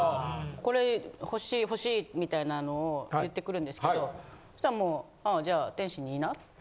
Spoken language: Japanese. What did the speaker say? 「これ欲しい欲しい」みたいなのを言ってくるんですけどそしたらもうああじゃあ。